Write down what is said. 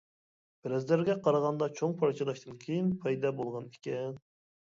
پەرەزلەرگە قارىغاندا چوڭ پارچىلاشتىن كېيىن پەيدا بولغان ئىكەن.